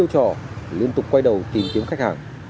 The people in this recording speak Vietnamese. họ liên tục quay đầu tìm kiếm khách hàng